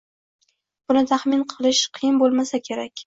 Buni taxmin bilish qiyin bo'lmasa kerak.